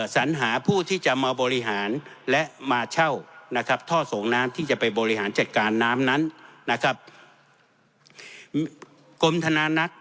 สัญหาผู้ที่จะมาบริหารและมาเช่านะครับท่อส่งน้ำที่จะไปบริหารจัดการน้ำนั้นนะครับกรมธนานัท